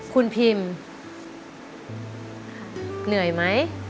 คุณพิมเหนื่อยไหม